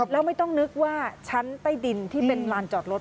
แล้วไม่ต้องนึกว่าชั้นใต้ดินที่เป็นลานจอดรถ